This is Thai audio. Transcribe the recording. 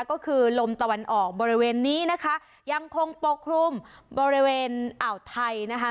ก็คือลมตะวันออกบริเวณนี้นะคะยังคงปกคลุมบริเวณอ่าวไทยนะคะ